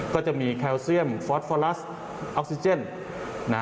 ก็จะมีแคลเซียมฟอสฟอลัสออกซิเจนนะ